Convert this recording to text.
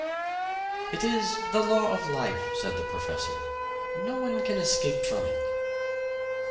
"It is the law of life," said the professor. "No one can escape from it."